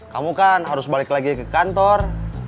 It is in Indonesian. kamu kan harus balik lagi ke kantor